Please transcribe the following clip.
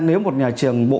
nếu một nhà trường bộ phòng